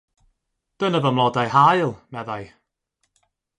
“Dyna fy mlodau haul!” meddai.